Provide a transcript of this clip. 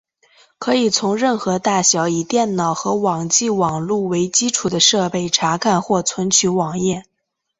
可以从任何大小以电脑和网际网路为基础的设备查看或存取网页。